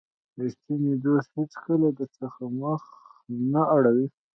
رښتینی دوست هیڅکله درڅخه مخ نه اړوي.